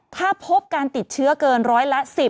ถ้าพบการติดเชื้อเกินร้อยละ๑๐